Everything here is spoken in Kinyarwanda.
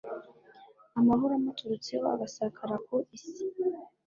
amahoro amuturutseho agasakara ku isi.